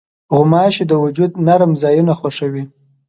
غوماشې د وجود نرم ځایونه خوښوي.